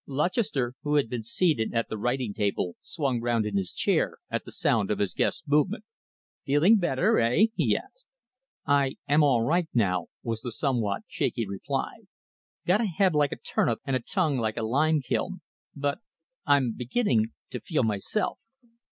Lutchester, who had been seated at the writing table, swung round in his chair at the sound of his guest's movement. "Feeling better, eh?" he asked. "I am all right now," was the somewhat shaky reply. "Got a head like a turnip and a tongue like a lime kiln, but I'm beginning to feel myself."